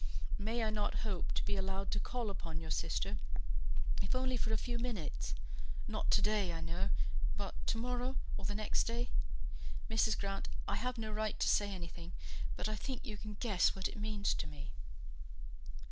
May I not hope to be allowed to call upon your sister, if only for a few minutes? not to day, I know, but to morrow, or the next day? Mrs. Grant, I have no right to say anything; but I think you can guess what it means to me."